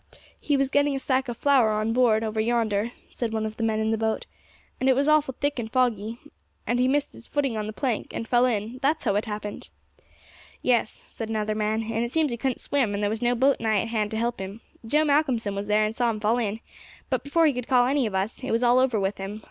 'He was getting a sack of flour on board, over yonder' said one of the men in the boat, 'and it was awful thick and foggy, and he missed his footing on the plank, and fell in; that's how it happened!' 'Yes,' said another man, 'and it seems he couldn't swim, and there was no boat nigh at hand to help him. Joe Malcolmson was there and saw him fall in; but before he could call any of us, it was all over with him.